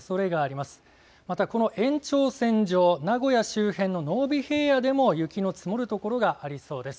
またこの延長線上名古屋周辺の濃尾平野でも雪の積もるところがありそうです。